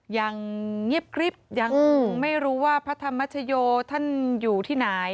ยังเงียบกริ๊บยังไม่รู้ว่าพระธรรมชโยท่านอยู่ที่ไหน